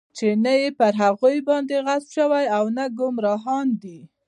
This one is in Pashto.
چې نه پر هغوى باندې غضب شوى او نه ګمراهان دی.